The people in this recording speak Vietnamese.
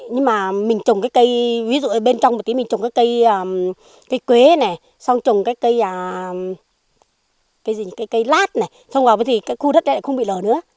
nhưng mà mình trồng cái cây ví dụ bên trong một tí mình trồng cái cây quế này xong trồng cái cây lát này xong rồi thì cái khu đất này lại không bị lở nữa